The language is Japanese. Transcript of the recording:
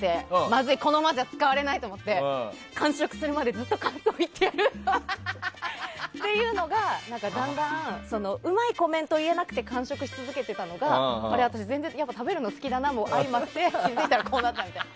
まずい、このままじゃ使われないと思って完食してまでずっと感想言ってやるっていうのが、だんだんうまいコメント言えなくて完食し続けてたのが私、やっぱ全然食べるの好きだなも相まって気づいたらこうなったみたいな。